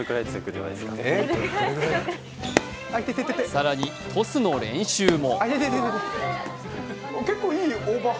更に、トスの練習も。